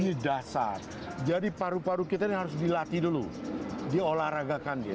ini dasar jadi paru paru kita ini harus dilatih dulu diolahragakan dia